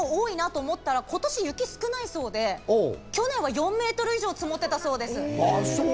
それでも多いなと思ったら今年、雪が少ないそうで、去年は４メートル以上積もってたそうです。